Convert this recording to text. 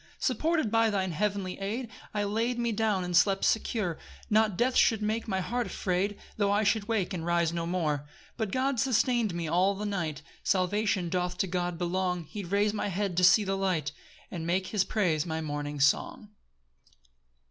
3 Supported by thine heavenly aid, I laid me down and slept secure; Not death should make my heart afraid, Tho' I should wake and rise no more. 4 But God sustain'd me all the night; Salvation doth to God belong; He rais'd my head to see the light, And make his praise my morning song.